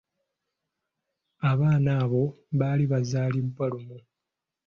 Abaana abo baali baazaalibwa lumu.